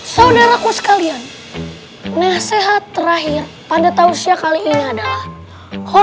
saudaraku sekalian nasihat terakhir pada tausia kali ini adalah